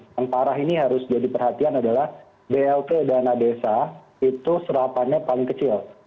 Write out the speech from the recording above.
yang parah ini harus jadi perhatian adalah blt dana desa itu serapannya paling kecil